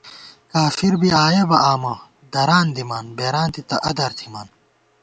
کافر بی آیَہ بہ آمہ ، دران دِمان، بېرانتےتہ ادَر تھِمان